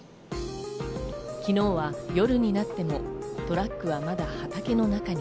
昨日は夜になってもトラックはまだ畑の中に。